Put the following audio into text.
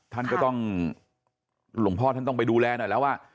ท่านก็ต้องหลวงพ่อท่านต้องไปดูแลหน่อยแล้วว่า